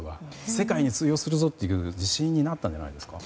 世界に通用するぞという自信になったんじゃないですか？